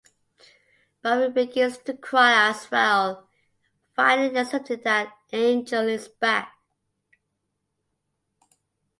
Buffy begins to cry as well, finally accepting that Angel is back.